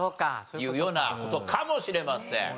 いうような事かもしれません。